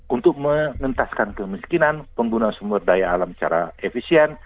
untuk mengentaskan kemiskinan penggunaan sumber daya alam secara efisien